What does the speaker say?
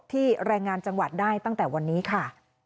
แรงงานจังหวัดได้ตั้งแต่วันนี้ค่ะ